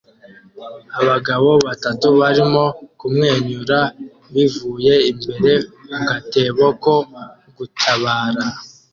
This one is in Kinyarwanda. Abagabo batatu barimo kumwenyura bivuye imbere mu gatebo ko gutabara